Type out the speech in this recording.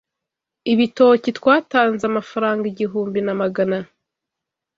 ibitoki Twatanze amafaranga igihumbi na magana